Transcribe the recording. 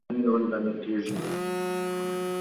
د کلتور په اړه زده کړه د ټولنې د ودي لامل کیږي.